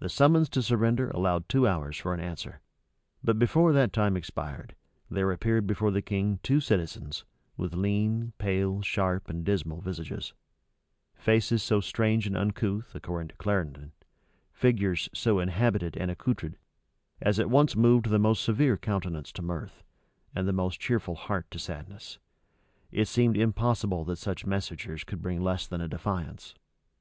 The summons to surrender allowed two hours for an answer; but before that time expired, there appeared before the king two citizens, with lean, pale, sharp, and dismal visages; faces so strange and uncouth, according to Clarendon, figures so habited and accoutred, as at once moved the most severe countenance to mirth, and the most cheerful heart to sadness; it seemed impossible that such messengers could bring less than a defiance.